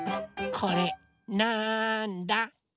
これなんだ？